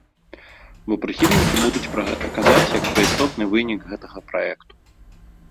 Бо прыхільнікі будуць пра гэта казаць, як пра істотны вынік гэтага праекту.